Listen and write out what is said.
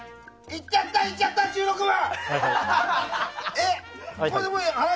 いっちゃった、いっちゃった１６万！